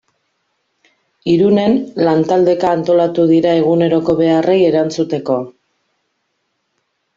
Irunen lantaldeka antolatu dira eguneroko beharrei erantzuteko.